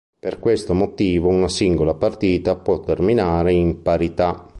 Per questo motivo, una singola partita può terminare in parità.